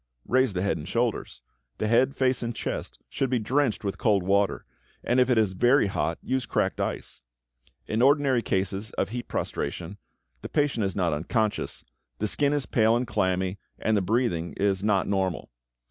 Raise the head and shoulders. The head, face, and chest should be drenched with cold water, and if it is very hot use cracked ice. In ordinary cases of heat prostration, the patient is not unconscious, the skin is pale and clammy, and the breathing is not normal.